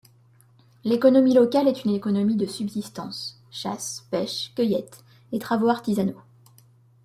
L'économie locale est une économie de subsistance, chasse, pêche, cueillette et travaux artisanaux.